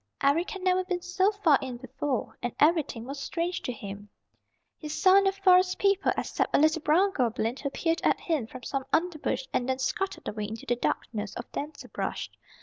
Eric had never been so far in before and everything was strange to him. He saw no Forest People except a little brown goblin who peered at him from some underbrush and then scuttled away into the darkness of denser brush.